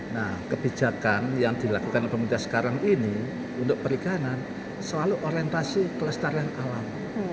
nah kebijakan yang dilakukan oleh pemerintah sekarang ini untuk perikanan selalu orientasi kelestarian alam